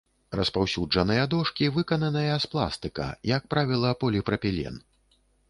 Распаўсюджаныя дошкі выкананыя з пластыка, як правіла, поліпрапілен.